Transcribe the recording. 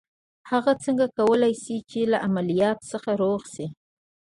هغه څنګه کولای شي چې له عمليات څخه روغ شي.